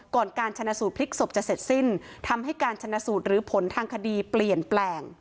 การชนะสูตรพลิกศพจะเสร็จสิ้นทำให้การชนะสูตรหรือผลทางคดีเปลี่ยนแปลง